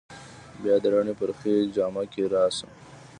بیا د رڼې پرخې جامه کې راشه